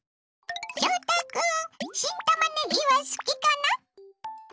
翔太君新たまねぎは好きかな？